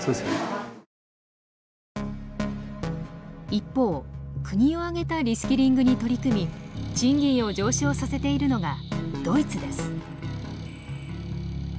一方国を挙げたリスキリングに取り組み賃金を上昇をさせているのがドイツです。